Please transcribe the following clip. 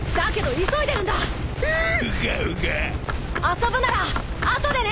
遊ぶなら後でね！